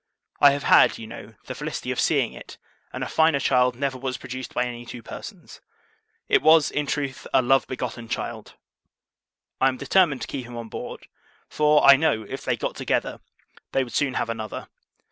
I have had, you know, the felicity of seeing it, and a finer child never was produced by any two persons. It was, in truth, a love begotten child! I am determined to keep him on board; for, I know, if they got together, they would soon have another.